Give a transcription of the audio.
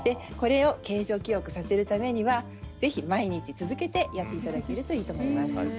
これを形状を記憶させるためにはぜひ毎日続けてやっていただけるといいと思います。